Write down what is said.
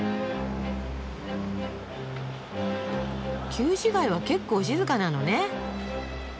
旧市街は結構静かなのね。